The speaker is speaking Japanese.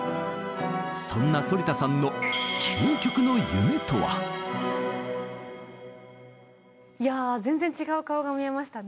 そんな反田さんのいや全然違う顔が見えましたね。